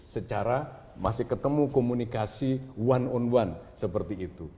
secara masih ketemu komunikasi one on one seperti itu